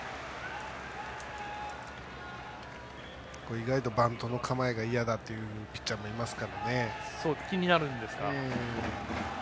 意外とバントの構えが嫌だというピッチャーが気になるんですか。